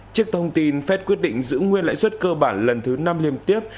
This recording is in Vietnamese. trước thông tin phép quyết định giữ nguyên lãi suất cơ bản lần thứ năm liên tiếp